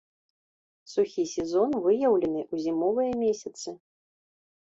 Сухі сезон выяўлены ў зімовыя месяцы.